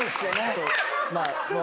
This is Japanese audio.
そう。